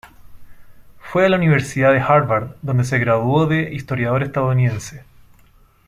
Fue a la Universidad de Harvard, dónde ser graduó de historiador estadounidense.